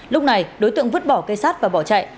lúc này đối tượng vứt bỏ cây sát và bỏ chạy